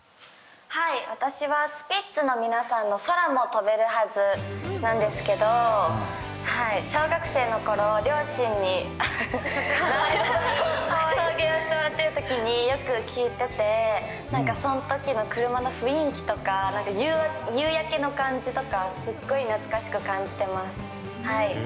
私はスピッツの皆さんの「空も飛べるはず」なんですが小学生のころ両親に送迎してもらってる時によく聴いててその時の車の雰囲気とか夕焼けの感じとかすごい懐かしく感じてます。